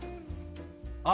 あ！